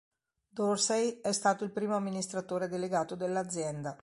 Dorsey è stato il primo amministratore delegato dell'azienda.